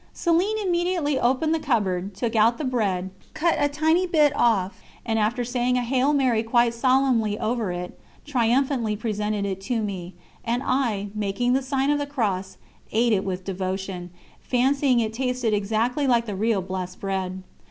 Céline immediately opened the cupboard, took out the bread, cut a tiny bit off, and after saying a Hail Mary quite solemnly over it, triumphantly presented it to me; and I, making the sign of the Cross, ate it with devotion, fancying it tasted exactly like the real blessed bread.